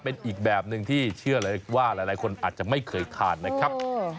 เป็นอีกแบบหนึ่งที่เชื่อเลยว่าหลายคนอาจจะไม่เคยทานนะครับ